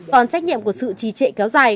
còn trách nhiệm của sự trì trệ kéo dài